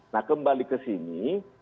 nah kembali ke sini